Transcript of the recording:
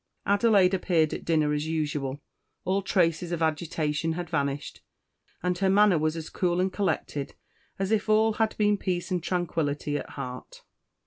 Adelaide appeared at dinner as usual. All traces of agitation had vanished; and her manner was a cool and collected as if all had been peace and tranquillity at heart.